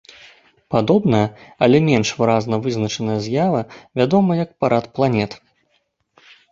Падобная, але менш выразна вызначаная з'ява вядома як парад планет.